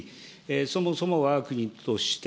そもそもわが国として、